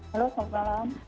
halo selamat malam